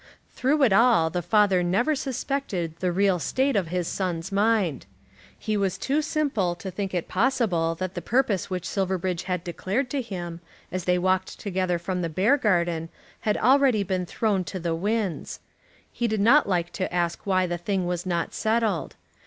Through it all the father never suspected the real state of his son's mind. He was too simple to think it possible that the purpose which Silverbridge had declared to him as they walked together from the Beargarden had already been thrown to the winds. He did not like to ask why the thing was not settled.